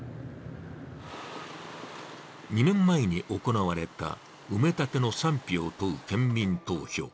２年前に行われた埋め立ての賛否を問う県民投票。